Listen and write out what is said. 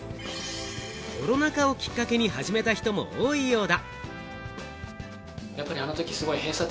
コロナ禍をきっかけに始めた人も多いようだ。